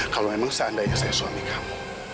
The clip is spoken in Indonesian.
kalau memang seandainya saya suami kamu